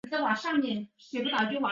赡养老人